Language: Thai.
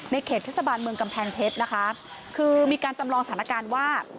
เขตเทศบาลเมืองกำแพงเพชรนะคะคือมีการจำลองสถานการณ์ว่า